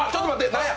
何や！